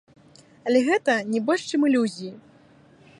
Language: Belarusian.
Але гэта не больш чым ілюзіі.